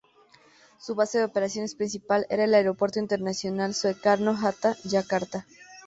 Su base de operaciones principal era el Aeropuerto Internacional Soekarno-Hatta, Yakarta.